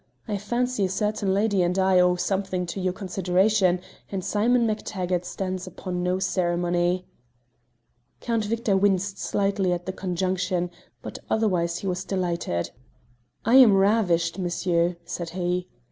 I fancy a certain lady and I owe something to your consideration, and Simon MacTaggart stands upon no ceremony." Count Victor winced slightly at the conjunction, but otherwise he was delighted. "I am ravished, monsieur!" said he.